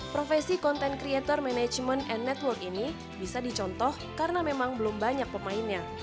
profesi content creator management and network ini bisa dicontoh karena memang belum banyak pemainnya